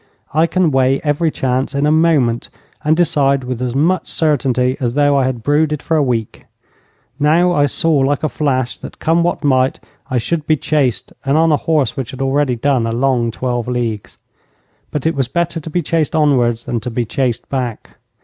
I can weigh every chance in a moment, and decide with as much certainty as though I had brooded for a week. Now I saw like a flash that, come what might, I should be chased, and on a horse which had already done a long twelve leagues. But it was better to be chased onwards than to be chased back.